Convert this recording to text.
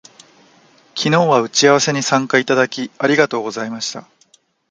昨日は打ち合わせに参加いただき、ありがとうございました